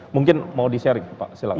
mungkin mau di sharing pak silam